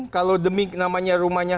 kalau demi namanya rumahnya